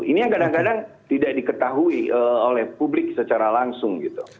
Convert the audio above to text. ini yang kadang kadang tidak diketahui oleh publik secara langsung gitu